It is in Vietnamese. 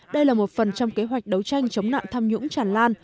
đây là một phần trong kế hoạch đấu tranh chống nạn tham nhũng tràn lan